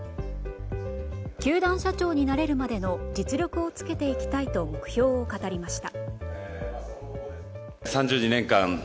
球団社長になれるまでの実力をつけていきたいと目標を語りました。